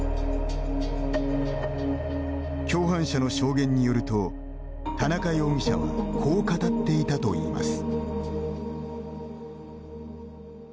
共犯者の証言によると田中容疑者はこう語っていたといいます。